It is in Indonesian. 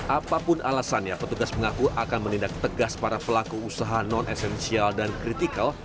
apapun alasannya petugas mengaku akan menindak tegas para pelaku usaha non esensial dan kritikal